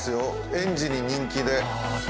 園児に人気で。